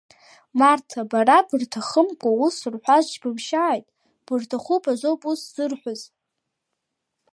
Марҭа, бара бырҭахымкәа ус рҳәаз џьыбымшьааит, бырҭахуп азоуп ус зырҳәаз.